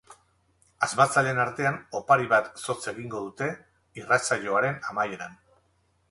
Asmatzaileen artean opari bat zotz egingo dute irratsaioaren amaieran.